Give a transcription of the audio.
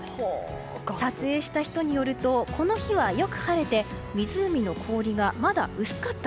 撮影した人によるとこの日は、よく晴れて湖の氷がまだ薄かった。